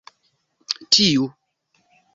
tiu